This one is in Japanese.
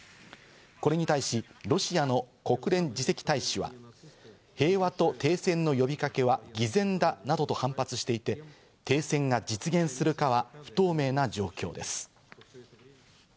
これに対し、ロシアの国連次席大使は、平和と停戦の呼びかけは偽善だなどと反発していて停戦が実現するかは不透明な状況です。